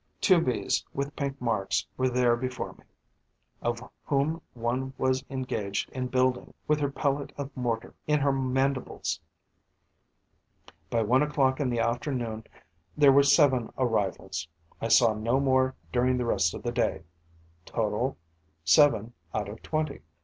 Two Bees with pink marks were there before me, of whom one was engaged in building, with her pellet of mortar in her mandibles. By one o'clock in the afternoon there were seven arrivals; I saw no more during the rest of the day. Total: seven out of twenty.